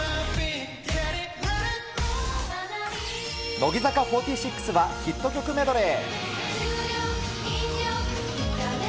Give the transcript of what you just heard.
乃木坂４６は、ヒット曲メドレー。